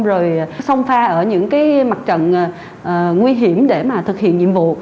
rồi song pha ở những mặt trận nguy hiểm để thực hiện nhiệm vụ